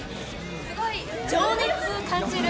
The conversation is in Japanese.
すごい情熱感じる。